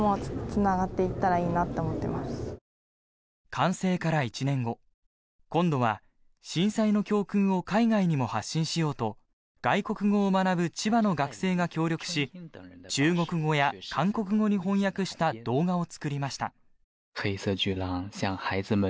完成から１年後今度は震災の教訓を海外にも発信しようと外国語を学ぶ千葉の学生が協力し中国語や韓国語に翻訳した動画を作りました。